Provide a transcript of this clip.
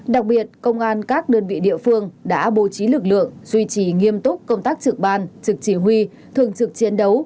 đặc biệt công an các đơn vị địa phương đã bố trí lực lượng duy trì nghiêm túc công tác trực ban trực chỉ huy thường trực chiến đấu